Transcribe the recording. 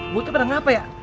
botak pada ngapain ya